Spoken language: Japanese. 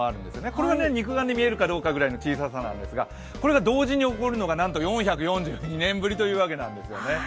これが肉眼で確認できるかぐらいの小ささなんですがこれが同時に起こるのがなんと４４２年ぶりということなんですね。